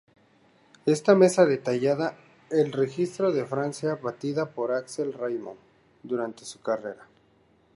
Esta mesa detalla el registro de Francia batida por Axel Reymond durante su carrera.